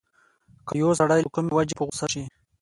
که يو سړی له کومې وجې په غوسه شي.